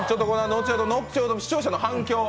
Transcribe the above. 後ほど視聴者の反響